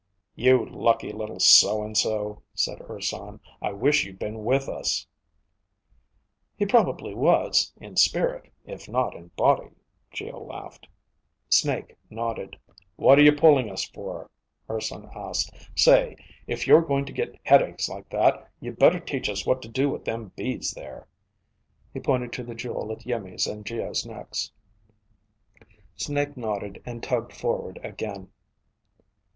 "You lucky little so and so," said Urson. "I wish you'd been with us." "He probably was, in spirit, if not in body," Geo laughed. Snake nodded. "What are you pulling for?" Urson asked. "Say, if you're going to get headaches like that, you'd better teach us what to do with them beads there." He pointed to the jewel at Iimmi's and Geo's necks. Snake nodded and tugged forward again.